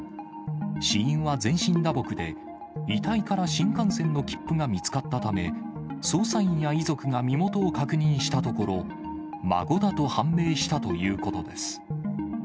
死因は全身打撲で、遺体から新幹線の切符が見つかったため、捜査員や遺族が身元を確認したところ、孫だと判明したということです。